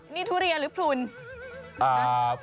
นี่ทุเรียหรือภาร์น